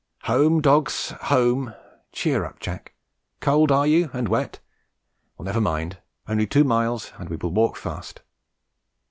"Home, dogs, home! Cheer up, Jack! Cold are you, and wet? Well, never mind; only two miles, and we will walk fast.